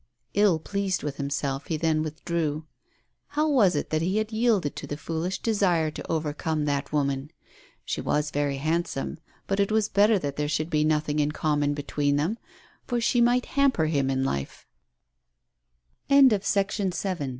Ill pleased with himself, he then withdrew. How was it that he had yielded to the foolish desire to over come that woman? She was very handsome; but it was better that there should be nothing in common between them, for she might hamper h